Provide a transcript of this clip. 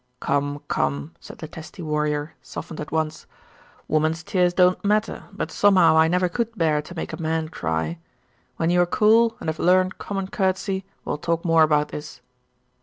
'Come, come,' said the testy warrior, softened at once. 'Woman's tears don't matter, but somehow I never could bear to make a man cry. When you are cool, and have learnt common courtesy, we'll talk more about this.